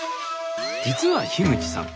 実は口さん